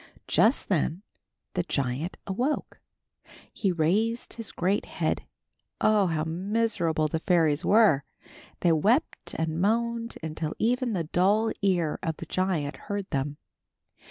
Just then the giant awoke. He raised his great head. Oh, how miserable the fairies were! They wept and moaned until even the dull ear of the giant heard them.